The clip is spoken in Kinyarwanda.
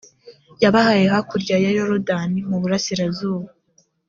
yabahaye hakurya ya yorudani, mu burasirazuba.